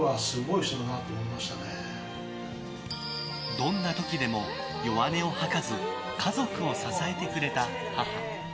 どんな時でも弱音を吐かず家族を支えてくれた母。